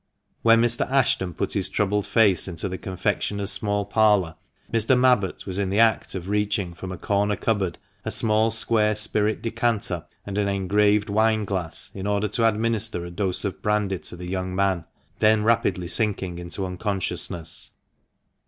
When Mr. Ashton put his troubled face into the con fectioner's small parlour, Mr. Mabbott was in the act of reaching from a corner cupboard a small square spirit decanter, and an engraved wine glass, in order to administer a dose of brandy to the young man, then rapidly sinking into unconsciousness.